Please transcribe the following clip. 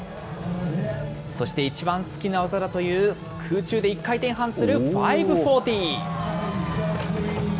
そして一番好きな技だという空中で１回転半する５４０。